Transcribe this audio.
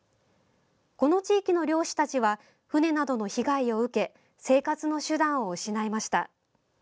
この地域の漁師たちは船などの被害を受け生活の手段を失いました。